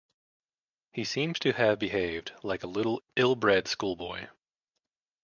He seems to have behaved like a little ill-bred schoolboy.